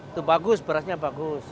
itu bagus berasnya bagus